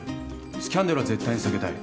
スキャンダルは絶対に避けたい。